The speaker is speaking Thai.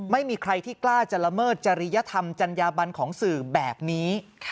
ไม่มีใครที่กล้าจะละเมิดจริยธรรมจัญญาบันของสื่อแบบนี้